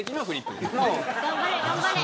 頑張れ、頑張れ。